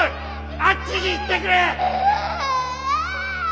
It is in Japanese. あっちに行ってくれ！